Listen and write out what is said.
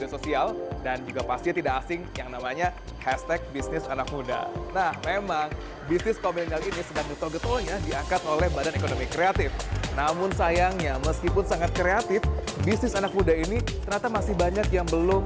assalamualaikum nama saya nita saya memiliki usaha roti mungil nita sejak tujuh tahun yang lalu